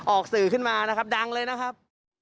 ออกสื่อขึ้นมานะครับดังเลยนะครับ